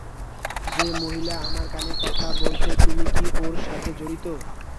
যে মহিলা আমার কানে কথা বলছে তুমি কি ওর সাথে জড়িত?